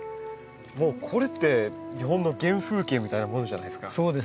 もうこれって日本の原風景みたいなもんじゃないですか。